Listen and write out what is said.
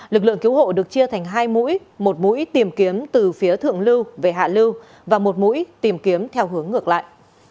lực lượng cứu hộ được chia thành hai mũi một mũi tìm kiếm từ phía thượng lưu về hạ lưu và một mũi tìm kiếm theo hướng ngược lại